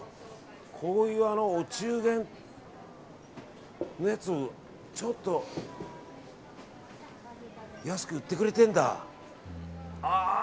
こういうお中元のやつもちょっと安く売ってくれてるんだ。